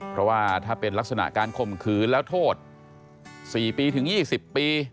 เพราะว่าถ้าเป็นลักษณะการข่มขืนแล้วโทษ๔ปีถึง๒๐ปี